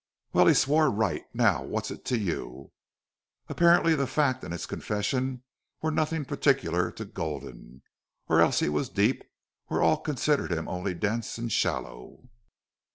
"Well, he swore right!... Now what's it to you?" Apparently the fact and its confession were nothing particular to Gulden, or else he was deep where all considered him only dense and shallow.